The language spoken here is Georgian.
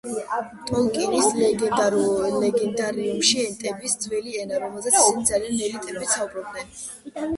ტოლკინის ლეგენდარიუმში ენტების ძველი ენა, რომელზეც ისინი ძალიან ნელი ტემპით საუბრობდნენ.